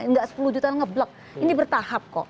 ini tidak sepuluh juta ngeblok ini bertahap kok